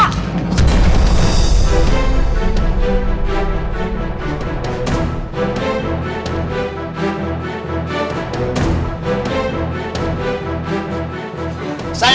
aku mau pergi